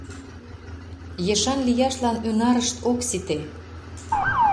Ешан лияшлан ӱнарышт ок сите.